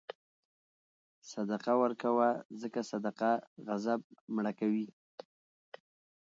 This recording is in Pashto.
صدقه ورکوه، ځکه صدقه غضب مړه کوي.